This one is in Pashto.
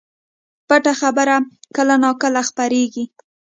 پټه خبره کله نا کله خپرېږي